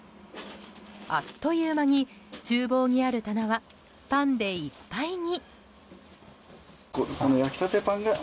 あっという間に厨房にある棚はパンでいっぱいに。